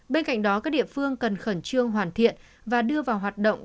bên cạnh đó các địa phương cần khẩn trương hoàn thiện và đưa vào hoạt động